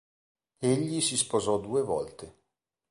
Egli si sposò due volte.